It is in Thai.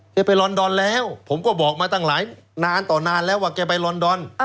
ไปลอนดอนแล้วผมก็บอกมาตั้งหลายนานต่อนานแล้วว่าแกไปลอนดอน